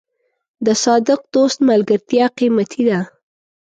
د صادق دوست ملګرتیا قیمتي ده.